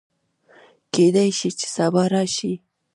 کېدی شي چې سبا راشي